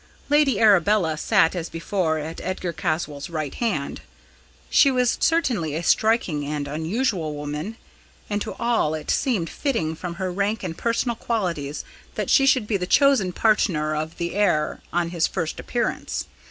Lady Arabella sat as before at Edgar Caswall's right hand. She was certainly a striking and unusual woman, and to all it seemed fitting from her rank and personal qualities that she should be the chosen partner of the heir on his first appearance.